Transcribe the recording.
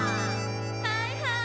はいはい。